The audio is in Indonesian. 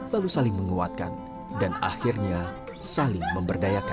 lalu saling menguatkan dan akhirnya saling memberdayakan